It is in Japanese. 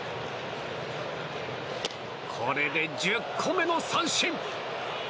これで１０個目の三振。